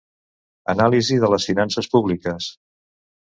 Anàlisi de les finances públiques.